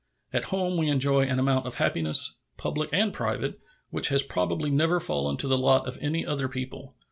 At home we enjoy an amount of happiness, public and private, which has probably never fallen to the lot of any other people.